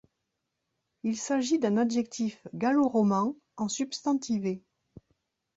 Il s'agit d'un adjectif gallo-roman en substantivé.